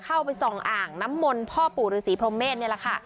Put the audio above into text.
เค้าไปส่องห่างน้ำมลพ่อปู่หรือสีโพรเมศเนี่ยแหละค่ะ